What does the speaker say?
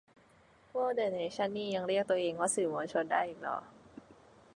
พวกเดอะเนชั่นนี่ยังเรียกตัวเองว่าสื่อมวลชนได้อีกเหรอ